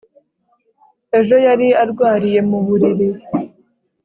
ejo yari arwariye mu buriri